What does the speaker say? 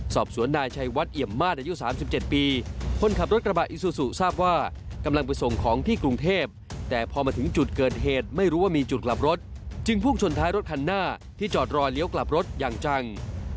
สอบสวนนายชัยวัดเอี่ยมมาตรอายุ๓๗ปีคนขับรถกระบะอิซูซูทราบว่ากำลังไปส่งของที่กรุงเทพแต่พอมาถึงจุดเกิดเหตุไม่รู้ว่ามีจุดกลับรถจึงพุ่งชนท้ายรถคันหน้าที่จอดรอเลี้ยวกลับรถอย่างจัง